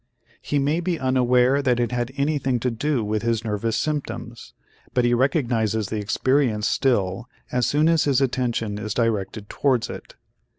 He may be unaware that it had anything to do with his nervous symptoms but he recognizes the experience still as soon as his attention is directed towards it.